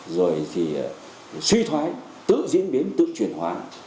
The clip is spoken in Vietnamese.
rồi thì suy thoái tự diễn biến tự chuyển hóa